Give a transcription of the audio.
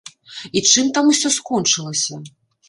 І чым там усё скончылася?